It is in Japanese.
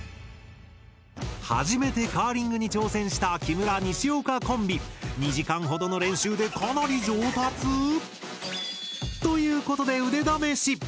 初めてカーリングに挑戦した木村・西岡コンビ２時間ほどの練習でかなり上達⁉ということで腕試し！